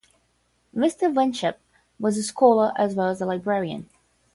Mr. Winship was a scholar as well as a librarian.